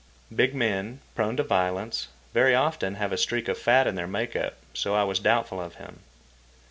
Big men, prone to violence, very often have a streak of fat in their make up, so I was doubtful of him.